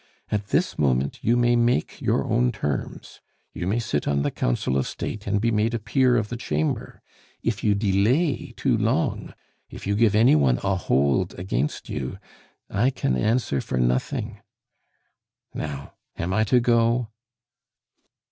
At this moment you may make your own terms; you may sit on the Council of State and be made a Peer of the Chamber. If you delay too long, if you give any one a hold against you, I can answer for nothing. Now, am I to go?"